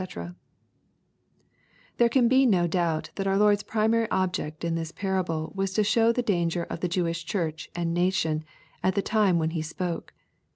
] There can be no doubt that our Lord's primary object in this parable was to show the danger of the Jewish Church and nation, at the time when He spoke.